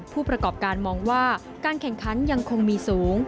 ผู้ประกอบการมองว่าการแข่งขันยังคงมีสูง